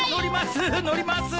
乗ります！